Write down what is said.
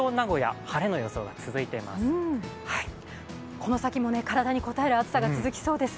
この先も体にこたえる暑さが続きそうです。